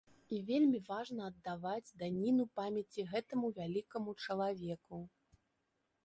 І вельмі важна аддаваць даніну памяці гэтаму вялікаму чалавеку.